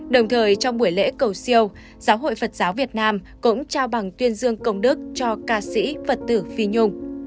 đồng thời trong buổi lễ cầu siêu giáo hội phật giáo việt nam cũng trao bằng tuyên dương công đức cho ca sĩ phật tử phi nhung